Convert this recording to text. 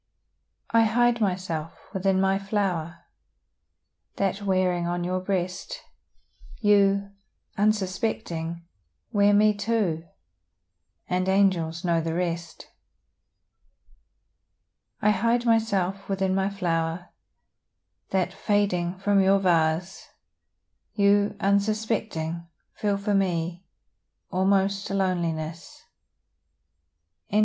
I hide myself within my flower, That wearing on your breast, You, unsuspecting, wear me too And angels know the rest. I hide myself within my flower, That, fading from your vase, You, unsuspecting, feel for me Almost a loneliness. VIII.